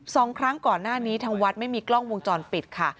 สองครั้งก่อนหน้านี้ทางวัดไม่มีกล้องวงจรปิดค่ะ